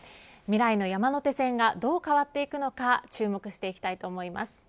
未来の山手線がどう変わっていくのか注目していきたいと思います。